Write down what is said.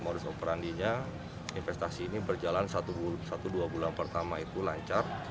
modus operandinya investasi ini berjalan satu dua bulan pertama itu lancar